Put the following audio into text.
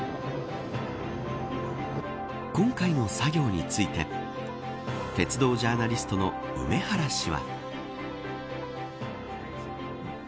今回の作業について鉄道ジャーナリストの梅原氏は。